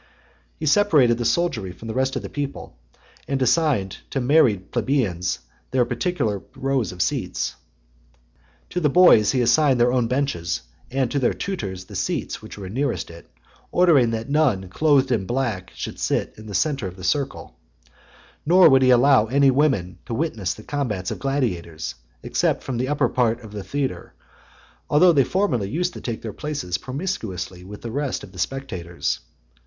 He separated the soldiery from the rest of the people, and assigned to married plebeians their particular rows of seats. To the boys he assigned their own benches, and to their tutors the seats which were nearest it; ordering that none clothed in black should sit in the centre of the circle . Nor would he allow any women to witness the combats of gladiators, except from the upper part of the theatre, although they formerly used to take their places promiscuously with the rest of the spectators.